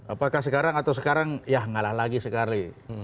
apakah sekarang atau sekarang ya ngalah lagi sekali